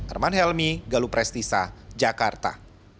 arman helmi galup restisa jakarta